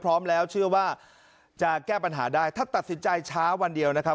พร้อมแล้วเชื่อว่าจะแก้ปัญหาได้ถ้าตัดสินใจช้าวันเดียวนะครับ